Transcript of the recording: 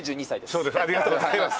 そうありがとうございました。